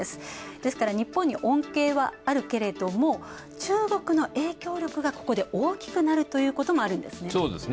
ですから、日本に恩恵はあるけれども中国の影響力がここで大きくなるということもあるんですね。